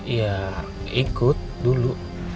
ya ikut dulu